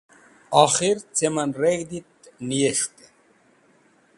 Okhir cem en reg̃hdi et nas̃hte.